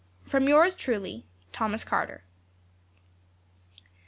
'From yours truly, 'THOMAS CARTER.'